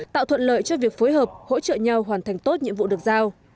tạo thuận lợi cho việc phối hợp hỗ trợ nhau hoàn thành tốt nhiệm vụ được giao